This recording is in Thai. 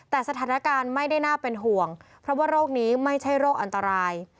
แต่สถานการณ์ไม่ได้น่าเป็นห่วงเพราะว่าโรคนี้ไม่ใช่โรคอันตราย